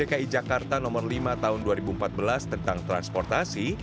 dki jakarta nomor lima tahun dua ribu empat belas tentang transportasi